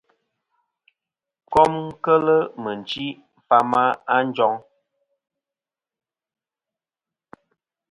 Kom kel mɨ̀nchi fama a njoŋ.